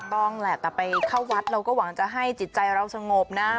ต้องแหละแต่ไปเข้าวัดเราก็หวังจะให้จิตใจเราสงบนะ